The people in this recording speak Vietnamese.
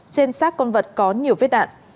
trên xác con vật có nhiều vết đạn